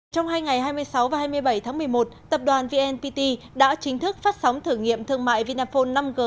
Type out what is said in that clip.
trong hai ngày hai mươi sáu và hai mươi bảy tháng một mươi một tập đoàn vnpt đã chính thức phát sóng thử nghiệm thương mại vinaphone năm g